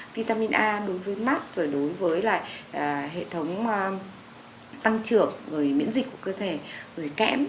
vitamin a đối với mát rồi đối với lại hệ thống tăng trưởng rồi miễn dịch của cơ thể rồi kẽm